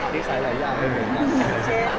นิสัยหลายอย่างเหมือนกัน